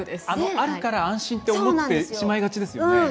あるから、安心と思ってしまいがちですよね。